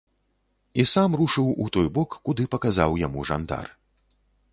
І сам рушыў у той бок, куды паказаў яму жандар.